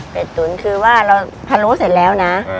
ตุ๋นคือว่าเราพะโล้เสร็จแล้วนะ